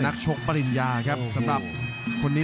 ชกปริญญาครับสำหรับคนนี้